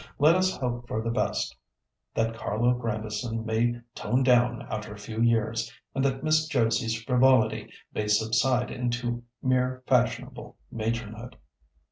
Let us hope for the best—that Carlo Grandison may tone down after a few years, and that Miss Josie's frivolity may subside into mere fashionable matronhood."